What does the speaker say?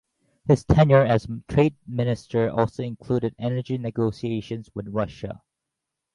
His tenure as Trade Minister also included energy negotiations with Russia.